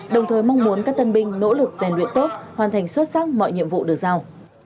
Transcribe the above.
đồng thời mong muốn các tân binh nỗ lực rèn luyện tốt hoàn thành xuất sắc mọi nhiệm vụ được giao